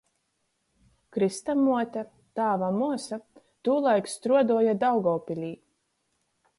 Krystamuote, tāva muosa, tūlaik struoduoja Daugovpilī.